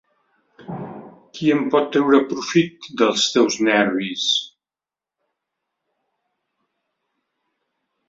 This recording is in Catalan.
Qui en pot treure profit, dels teus nervis?